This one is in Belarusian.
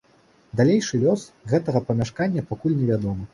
Далейшы лёс гэтага памяшкання пакуль невядомы.